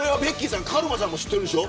カルマさんも知ってるでしょ。